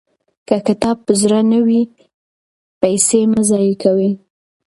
که کتاب په زړه نه وي، پیسې مه ضایع کوئ.